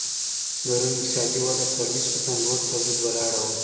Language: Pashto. د روم اقتصادي وده پر نسبتا لوړ تولید ولاړه وه